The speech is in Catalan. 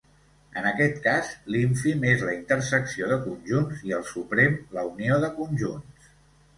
En aquest cas, l'ínfim és la intersecció de conjunts i el suprem, la unió de conjunts.